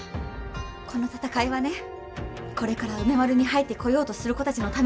この闘いはねこれから梅丸に入ってこようとする子たちのための闘いでもあるの。